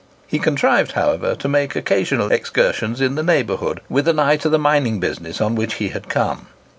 He contrived, however, to make occasional excursions in the neighbourhood, with an eye to the mining business on which he had come.